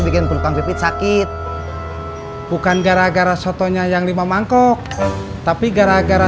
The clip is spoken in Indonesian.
bikin perutan pipit sakit bukan gara gara sotonya yang lima mangkok tapi gara gara